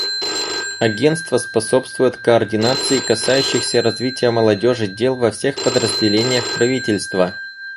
Агентство способствует координации касающихся развития молодежи дел во всех подразделениях правительства.